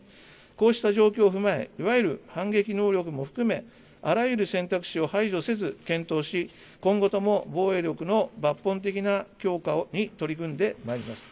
こうした状況を踏まえ、いわゆる反撃能力も含め、あらゆる選択肢を排除せず検討し、今後とも防衛力の抜本的な強化に取り組んでまいります。